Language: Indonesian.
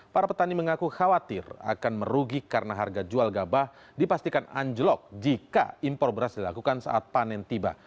para petani mengaku khawatir akan merugi karena harga jual gabah dipastikan anjlok jika impor beras dilakukan saat panen tiba